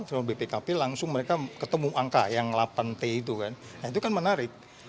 sama bpkp langsung mereka ketemu angka yang delapan t itu kan nah itu kan menarik